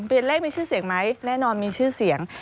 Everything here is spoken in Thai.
เลขมีชื่อเสียงไหมแน่นอนมีชื่อเสียง